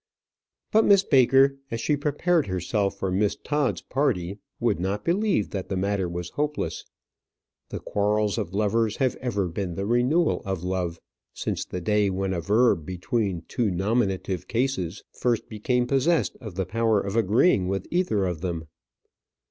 But Miss Baker, as she prepared herself for Miss Todd's party, would not believe that the matter was hopeless. The quarrels of lovers have ever been the renewal of love, since the day when a verb between two nominative cases first became possessed of the power of agreeing with either of them.